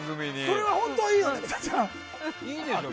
それは本当、いいの？